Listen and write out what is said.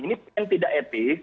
ini yang tidak etik